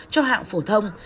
cho hạng phổ thông